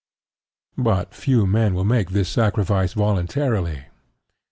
But few men will make this sacrifice voluntarily.